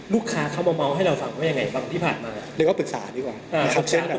ลูกค้าเข้ามามา้ว์ให้เราฟังว่าอย่างไรบางที่ผ่านมาหรือคือปรึกษาดีกว่า